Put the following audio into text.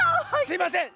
すいません！